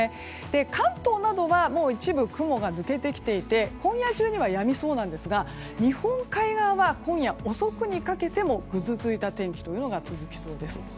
関東などは一部、雲が抜けてきていて今夜中にはやみそうなんですが日本海側は今夜遅くにかけてもぐずついた天気が続きそうです。